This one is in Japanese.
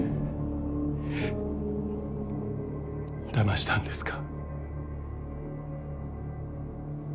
騙したんですか